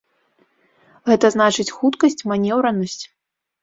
Гэта значыць хуткасць, манеўранасць.